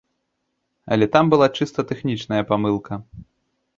Але там была чыста тэхнічная памылка.